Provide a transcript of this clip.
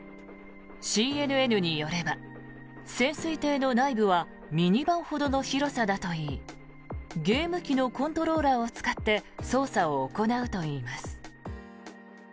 ＣＮＮによれば、潜水艇の内部はミニバンほどの広さだといいゲーム機のコントローラーを使って操作を行うといいます。